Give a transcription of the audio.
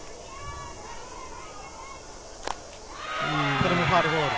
これもファウルボール。